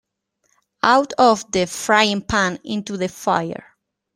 Out of the frying pan into the fire.